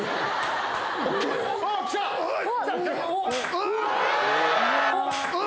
うわ！